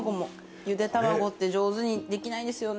ゆで卵って上手にできないんですよね